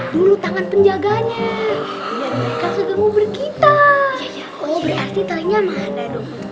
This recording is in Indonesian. dulu tangan penjaganya kita berarti ternyata